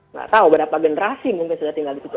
nggak tahu berapa generasi mungkin sudah tinggal di situ